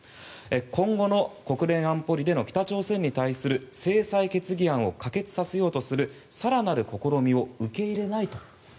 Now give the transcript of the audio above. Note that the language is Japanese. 今後の国連安保理での北朝鮮に対する制裁決議案を可決させようとする更なる試みを受け入れないと。